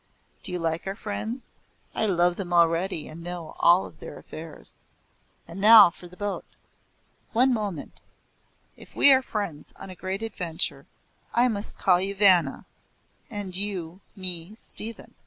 Do you like our friends? I love them already, and know all their affairs. And now for the boat." "One moment If we are friends on a great adventure, I must call you Vanna, and you me Stephen."